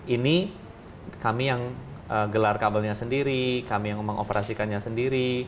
ini kami yang gelar kabelnya sendiri kami yang mengoperasikannya sendiri